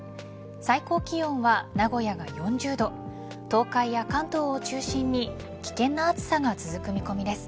最高気温は名古屋が４０度東海や関東を中心に危険な暑さが続く見込みです。